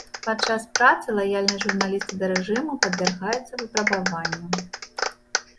Падчас працы лаяльнасць журналіста да рэжыму падвяргаецца выпрабаванню.